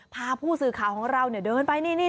พาผู้สื่อข่าวของเราเนี่ยเดินไป